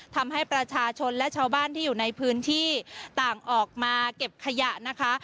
ทำให้ประชาชนและชาวบ้านที่อยู่ในพื้นที่ต่างออกมาเก็บขยะนะคะ